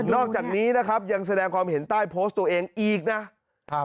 อกจากนี้นะครับยังแสดงความเห็นใต้โพสต์ตัวเองอีกนะ